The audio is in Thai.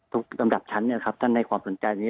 ทุกสำดับชั้นนี่ครับท่านในความสนใจตรงนี้